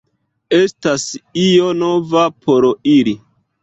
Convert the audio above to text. Estas io nova por ili.